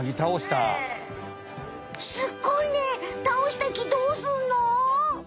たおした木どうすんの？